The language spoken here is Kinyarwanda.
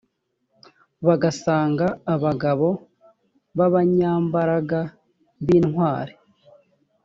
basanga abagabo b abanyambaraga b intwari